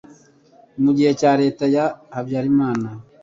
mu gihe cya leta ya Habyarimana,